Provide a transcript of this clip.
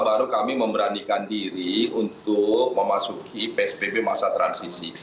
baru kami memberanikan diri untuk memasuki psbb masa transisi